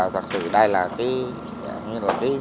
thật sự đây là cái